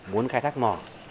muốn khai thác mò